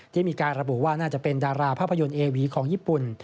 ที่มีการระบุว่าน่าจะเป็นดาราภาพยนตร์เอวีของญี่ปุ่น